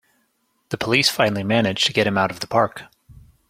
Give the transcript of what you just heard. The police finally manage to get him out of the park!